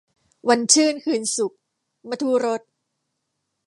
วันชื่นคืนสุข - มธุรส